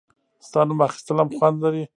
• ستا نوم اخیستل هم خوند لري.